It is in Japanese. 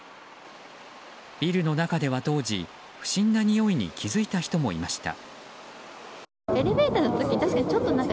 ビルの中では当時、不審なにおいに気付いた人もいました。